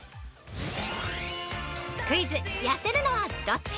◆クイズ☆痩せるのはどっち？